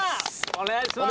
お願いします。